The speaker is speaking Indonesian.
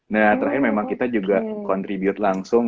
nah terakhir memang kita juga contribute langsung